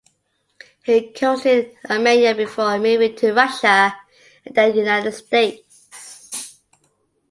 He coached in Armenia before moving to Russia and then the United States.